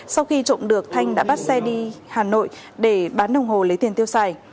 sau khi trộm được thanh đã bắt xe đi hà nội để bán đồng hồ lấy tiền tiêu xài